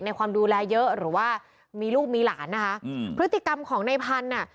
ความดูแลเยอะหรือว่ามีลูกมีหลานนะคะอืมพฤติกรรมของในพันธุ์อ่ะ